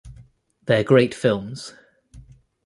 They're great films.